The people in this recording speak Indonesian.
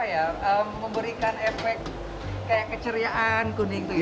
apa ya memberikan efek kayak keceriaan kuning itu ya